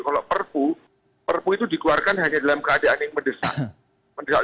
kalau perpu perpu itu dikeluarkan hanya dalam keadaan yang mendesak